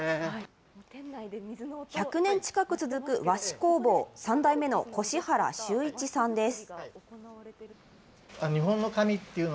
１００年近く続く和紙工房、３代目の腰原修一さんです。